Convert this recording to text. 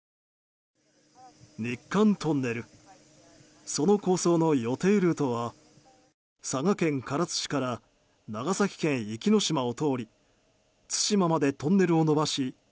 日韓トンネルその構想の予定ルートは佐賀県唐津市から長崎県壱岐島を通り対馬までトンネルを延ばし